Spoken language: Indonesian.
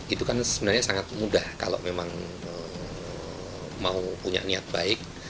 itu kan sebenarnya sangat mudah kalau memang mau punya niat baik